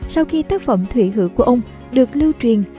sau khi tác phẩm thủy hữu của ông được lưu truyền